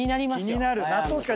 気になる。